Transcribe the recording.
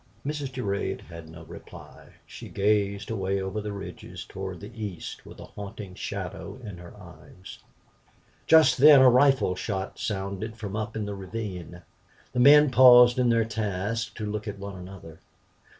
Mrs. Durade had no reply; she gazed away over the ridges toward the east with a haunting shadow in her eyes. Just then a rifle shot sounded from up in the ravine. The men paused in their tasks and looked at one another.